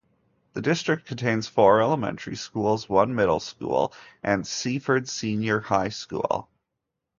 The District contains four elementary schools, one middle school and Seaford Senior High School.